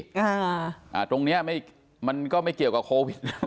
อ่าตรงเนี้ยไม่มันก็ไม่เกี่ยวกับโควิด